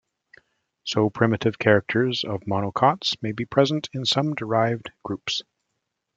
So primitive characters of monocots may be present in some derived groups.